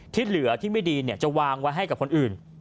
ที่เหลือที่ไม่ดีจะวางไว้ให้กับคนอื่น